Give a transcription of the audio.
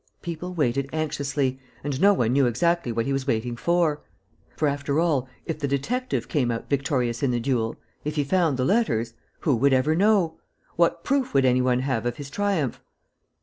People waited anxiously; and no one knew exactly what he was waiting for. For, after all, if the detective came out victorious in the duel, if he found the letters, who would ever know? What proof would any one have of his triumph?